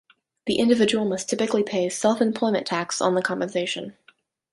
The individual must typically pay self-employment tax on the compensation.